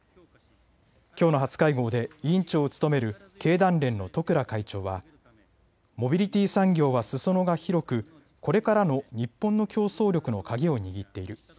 きょうの初会合で委員長を務める経団連の十倉会長は、モビリティー産業はすそ野が広くこれからの日本の競争力の鍵を握っている。